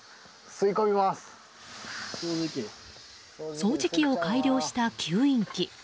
掃除機を改良した吸引機。